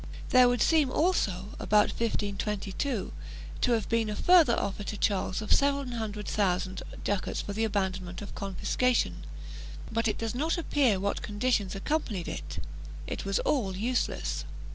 2 There would seem also, about 1522, to have been a further offer to Charles of seven hundred thousand ducats for the abandonment of confiscation, but it does not appear what conditions accompanied it.3 It was all useless.